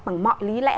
bằng mọi lý lẽ